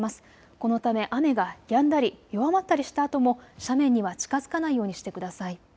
このため雨がやんだり弱まったりしたあとも斜面には近づかないようにしてください。